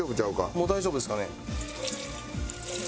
もう大丈夫ですかね？